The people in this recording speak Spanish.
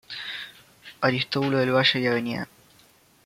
Aristóbulo del Valle y Av.